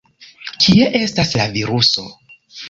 Kie estas la viruso?